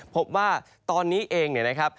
พบว่าตอนนี้เอง